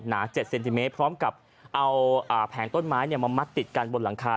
นา๗เซนติเมตรพร้อมกับเอาแผงต้นไม้มามัดติดกันบนหลังคา